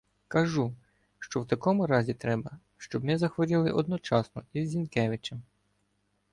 Кажу, що в такому разі треба, щоб ми захворіли одночасно із Зінкеви- чем.